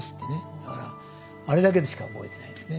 だからあれだけしか覚えてないですね。